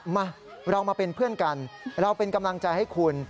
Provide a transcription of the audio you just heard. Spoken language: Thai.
มาเรามาเป็นเพื่อนกันเราเป็นกำลังใจให้คุณ